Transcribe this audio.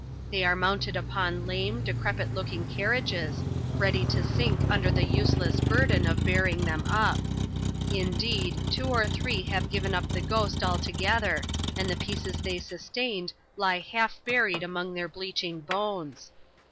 They are mounted upon lame, decrepit louking carriages, ready to sink under tlie useless burden of bearing . tkem up. Indee<l, two or three have given up the ghost al together, and the pir ces they sustained lie \ia\3L \j\miA aLSivyci*^ the/r bleaching Lone. ..